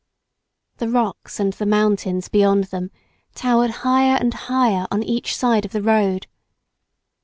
The rocks and the mountains beyond them towered higher and higher on each side of the road.